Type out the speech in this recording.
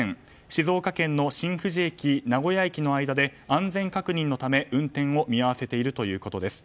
静岡県の新富士駅名古屋駅の間で安全確認のため、運転を見合わせているということです。